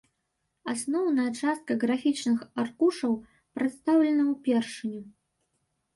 Асноўная частка графічных аркушаў прадстаўлена ўпершыню.